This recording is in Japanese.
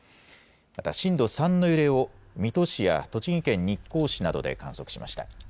また震度３の揺れを水戸市や栃木県日光市などで観測しました。